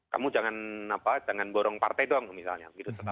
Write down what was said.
kamu jangan borong partai doang misalnya